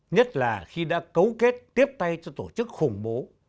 nhất là khi đã cấu kết tiếp tay cho tổ chức khủng bố